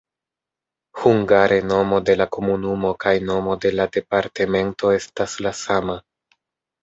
Hungare nomo de la komunumo kaj nomo de la departemento estas la sama.